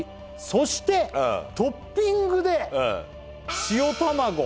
「そしてトッピングで塩たまご」